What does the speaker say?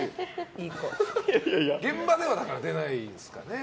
現場では出ないんですかね。